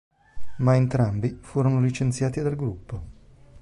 Ma entrambi furono licenziati dal gruppo.